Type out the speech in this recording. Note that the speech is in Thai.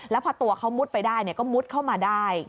แล้วพอตัวเขามุดไปได้ก็มุดเข้ามาได้